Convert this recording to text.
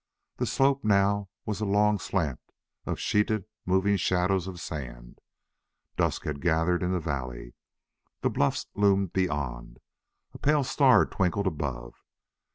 The slope now was a long slant of sheeted moving shadows of sand. Dusk had gathered in the valley. The bluffs loomed beyond. A pale star twinkled above.